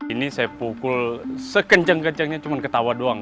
ini saya pukul sekencang kencangnya cuma ketawa doang